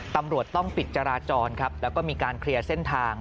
ตำรวจต้องปิดจราจรครับแล้วก็มีการเคลียร์เส้นทาง